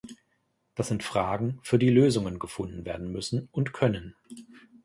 Das sind Fragen, für die Lösungen gefunden werden müssen und können.